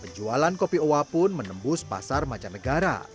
penjualan kopi owa pun menembus pasar mancanegara